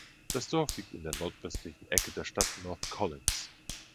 Das Dorf liegt in der nordwestlichen Ecke der Stadt North Collins.